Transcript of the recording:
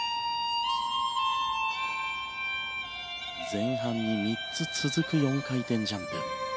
前半に３つ続く４回転ジャンプ。